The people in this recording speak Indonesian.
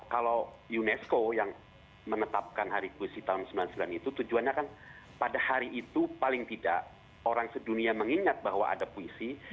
kalau unesco yang menetapkan hari puisi tahun seribu sembilan ratus sembilan puluh sembilan itu tujuannya kan pada hari itu paling tidak orang sedunia mengingat bahwa ada puisi